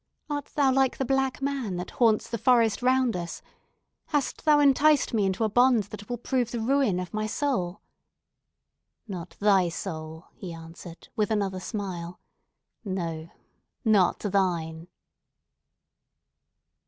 "Art thou like the Black Man that haunts the forest round about us? Hast thou enticed me into a bond that will prove the ruin of my soul?" "Not thy soul," he answered, with another smile. "No, not thine!"